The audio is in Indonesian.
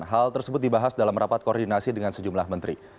hal tersebut dibahas dalam rapat koordinasi dengan sejumlah menteri